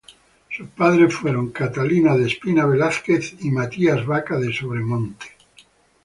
Sus padres fueron Matías Baca de Sobremonte y Catalina Despina Velázquez.